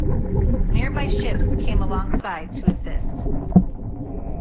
Nearby ships came alongside to assist.